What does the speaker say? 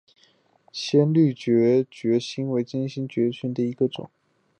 鲜绿凸轴蕨为金星蕨科凸轴蕨属下的一个种。